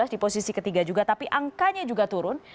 dua ribu empat belas di posisi ketiga juga tapi angkanya juga turun